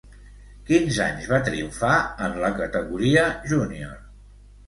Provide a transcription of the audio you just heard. Quins anys va triomfar en la categoria júnior?